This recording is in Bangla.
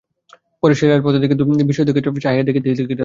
পরে সে রেলপথের দুইদিকে বিস্ময়ের চোখে চাহিয়া চাহিয়া দেখিতে লাগিল।